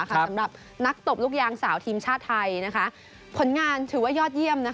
สำหรับนักตบลูกยางสาวทีมชาติไทยผลงานถือว่ายอดเยี่ยม